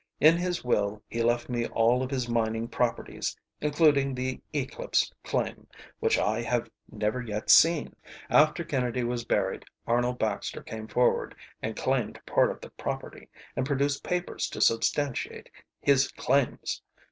In his will he left me all of his mining properties, including the Eclipse claim, which I have never yet seen. "After Kennedy was buried Arnold Baxter came forward and claimed part of the property, and produced papers to substantiate his claims.